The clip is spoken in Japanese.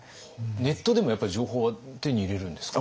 ネットでもやっぱり情報は手に入れるんですか？